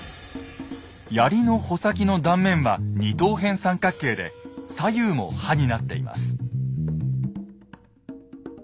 槍の穂先の断面は二等辺三角形で左右も刃になっています。